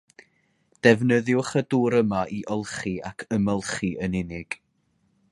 Defnyddiwch y dŵr yma i olchi ac ymolchi yn unig